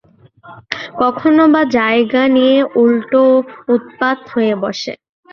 কখনও বা জায়গা নিয়ে উল্টো উৎপাত হয়ে বসে।